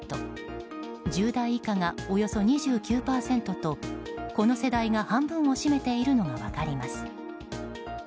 １０代以下がおよそ２９％とこの世代が半分を占めているのが分かります。